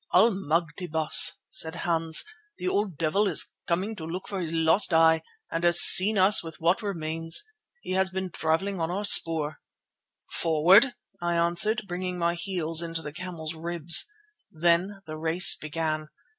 "Allemagte! Baas," said Hans, "the old devil is coming to look for his lost eye, and has seen us with that which remains. He has been travelling on our spoor." "Forward!" I answered, bringing my heels into the camel's ribs. Then the race began.